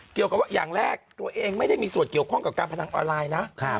เกี่ยวกับว่าอย่างแรกตัวเองไม่ได้มีส่วนเกี่ยวข้องกับการพนันออนไลน์นะ